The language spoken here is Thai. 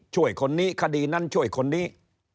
ช่วยคนนี้คดีนั้นช่วยคนนี้